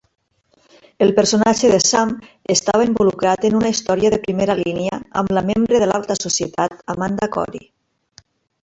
El personatge de Sam estava involucrat en una història de primera línia amb la membre de l'alta societat Amanda Cory.